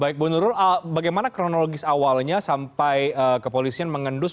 baik bu nurul bagaimana kronologis awalnya sampai kepolisian mengendus